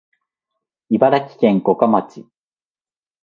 茨城県五霞町